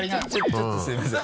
ちょっとすいません。